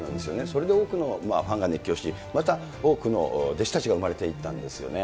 それで多くのファンが熱狂し、また多くの弟子たちが生まれていったんですよね。